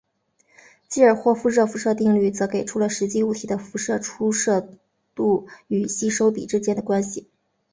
基尔霍夫热辐射定律则给出了实际物体的辐射出射度与吸收比之间的关系。